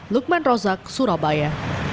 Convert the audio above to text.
lukman rozak surabaya